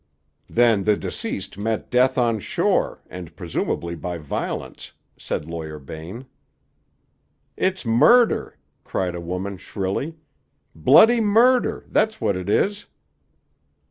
"Then the deceased met death on shore, and presumably by violence," said Lawyer Bain. "It's murder!" cried a woman shrilly. "Bloody murder! That's what it is!"